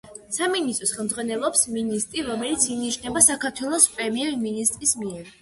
სამინისტროს ხელმძღვანელობს მინისტრი, რომელიც ინიშნება საქართველოს პრემიერ-მინისტრის მიერ.